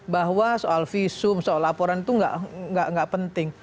bahwa soal visum soal laporan itu nggak penting